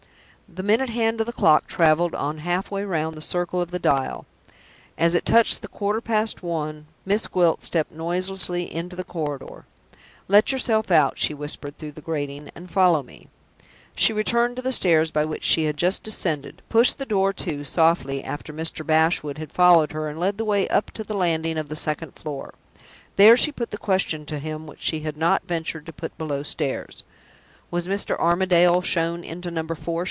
The minute hand of the clock traveled on halfway round the circle of the dial. As it touched the quarter past one, Miss Gwilt stepped noiselessly into the corridor. "Let yourself out," she whispered through the grating, "and follow me." She returned to the stairs by which she had just descended, pushed the door to softly after Mr. Bashwood had followed her and led the way up to the landing of the second floor. There she put the question to him which she had not ventured to put below stairs. "Was Mr. Armadale shown into Number Four?"